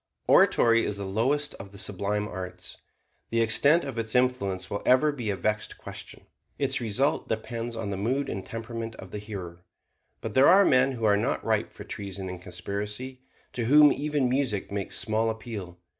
Oratory is the lowest of the sublime arts. The extent of its influence will ever be a vexed question. Its result depends on the mood and temperament of the hearer. But there are men who are not ripe for treason and conspiracy, to whom even music makes small appeal.